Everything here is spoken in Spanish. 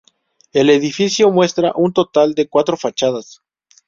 El edificio muestra un total de cuatro fachadas.